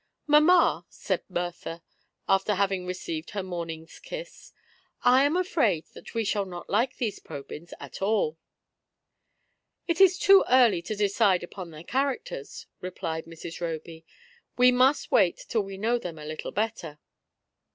"Mamma," said Bertha, after having received her morning's kiss, I am afraid that we shall not like these Probyns at all." "It is too early to decide upon their characters," replied Mrs. Roby ; "we must wait till we know them a little better."